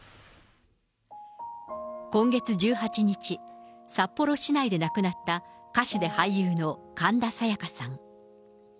今月１８日、札幌市内で亡くなった歌手で俳優の神田沙也加さん。